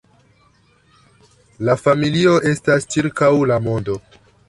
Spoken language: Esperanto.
La familio estas ĉirkaŭ la mondo.